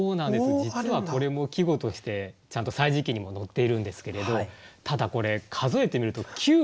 実はこれも季語としてちゃんと「歳時記」にも載っているんですけれどただこれ数えてみると９音もあるんですよね。